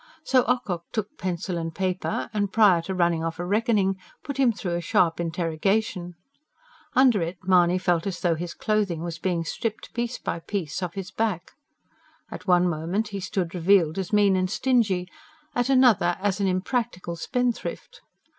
So Ocock took pencil and paper, and, prior to running off a reckoning, put him through a sharp interrogation. Under it Mahony felt as though his clothing was being stripped piece by piece off his back. At one moment he stood revealed as mean and stingy, at another as an unpractical spendthrift.